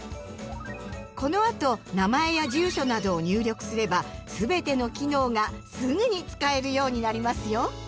このあと名前や住所などを入力すればすべての機能がすぐに使えるようになりますよ。